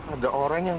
ada orang yang